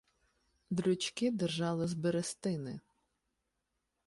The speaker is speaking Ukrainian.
Дрючки держали з берестини